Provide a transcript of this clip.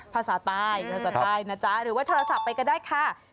ภาษาใต้ภาษาใต้นะจ๊ะหรือว่าโทรศัพท์ไปก็ได้ค่ะ